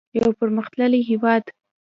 یو پرمختللی هیواد.